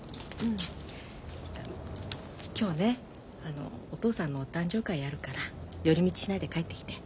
今日ねお父さんのお誕生会やるから寄り道しないで帰ってきて。